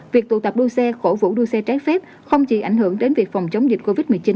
việc tụ tập đua xe cổ vũ đua xe trái phép không chỉ ảnh hưởng đến việc phòng chống dịch covid một mươi chín